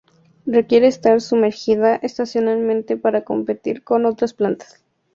Requiere estar sumergida estacionalmente para competir con otras plantas.